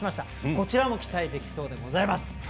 こちらも期待できそうでございます。